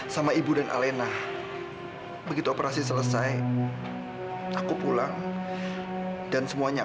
sampai jumpa di video selanjutnya